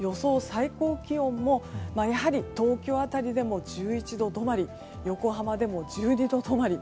最高気温もやはり東京辺りでも１１度止まり横浜でも１２度止まり。